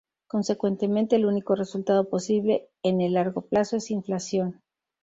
Consecuentemente, el único resultado posible en el largo plazo es inflación.